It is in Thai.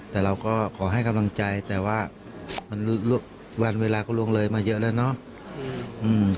แต่เราก็ขอให้กำลังใจแต่ว่ามันวันเวลาก็ลงเลยมาเยอะแล้วเนาะ